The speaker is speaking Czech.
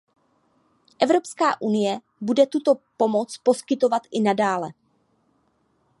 Evropská unie bude tuto pomoc poskytovat i nadále.